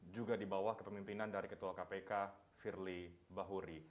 juga di bawah kepemimpinan dari ketua kpk firly bahuri